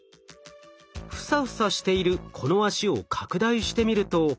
フサフサしているこの脚を拡大してみると。